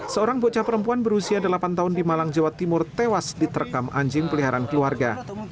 seorang bocah perempuan berusia delapan tahun di malang jawa timur tewas diterkam anjing peliharaan keluarga